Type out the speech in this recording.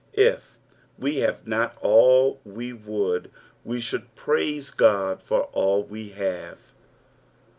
If we have not all we would wo should praise Ood for all we have.